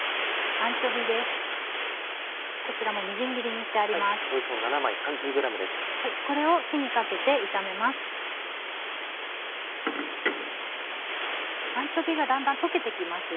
アンチョビーがだんだん溶けて来ます。